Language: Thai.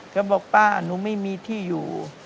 เขาบอกป้าหนูไม่มีที่อยู่